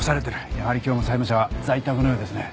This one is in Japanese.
やはり今日も債務者は在宅のようですね。